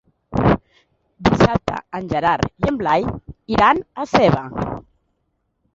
Dissabte en Gerard i en Blai iran a Seva.